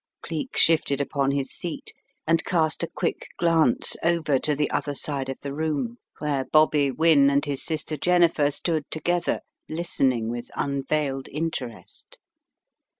Cleek shifted upon his feet and cast a quick glance over to the other side of the room, where Bobby The Twin Scarves 219 Wynne and his sister Jennifer stood together, listening with unveiled interest.